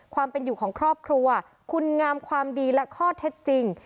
ความเป็นอยู่ของครอบครัวคุณงามความดีและข้อเท็จจริง